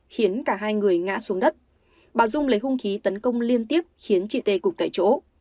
khiến cả hai người ngã xuống đất bà dung lấy hung khí tấn công liên tiếp khiến chị tê cục tại chỗ